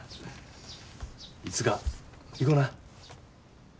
いつか行こな。